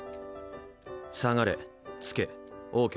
「さがれ」「つけ」「ＯＫ」